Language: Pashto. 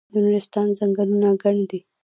د نورستان ځنګلونه ګڼ دي